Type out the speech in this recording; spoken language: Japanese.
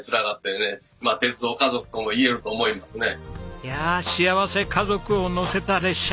いやあ幸せ家族を乗せた列車。